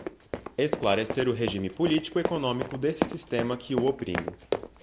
esclarecer o regime político-econômico desse sistema que o oprime